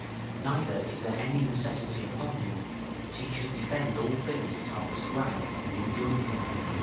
["Neither is their any necessity upon him, that he should defend all things that are prescribed and enjoined him."